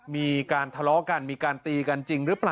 มีการทะเลาะกันมีการตีกันจริงหรือเปล่า